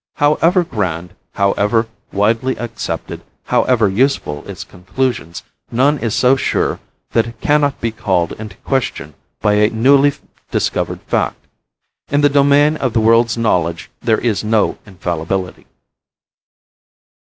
However grand, however widely accepted, however useful its conclusions, none is so sure that it cannot be called into question by a newly discovered fact. In the domain of the world's knowledge there is no infallibility."